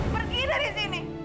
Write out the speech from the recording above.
pergi dari sini